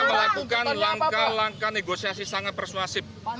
melakukan langkah langkah negosiasi sangat persuasif